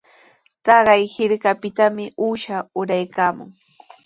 Taqay hirkapitami uusha uraykaamun.